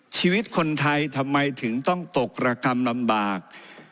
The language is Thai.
ชีวิตคนไทยทำไมถึงต้องตกระกรรมลำบาก